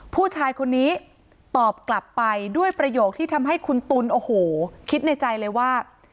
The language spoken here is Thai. ผู้ชายคนนี้ตอบกลับไปด้วยประโยคที่ทำให้คุณตุ๋นโอ้โหคิดในใจเลยว่า